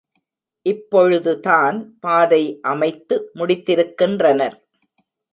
இப்பொழுதுதான் பாதை அமைத்து முடித்திருக்கின்றனர்.